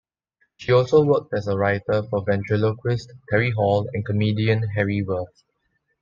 She also worked as a writer for ventriloquist Terry Hall and comedian Harry Worth.